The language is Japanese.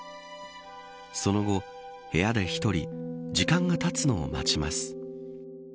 その後、部屋で１人時間がたつのを待ちます。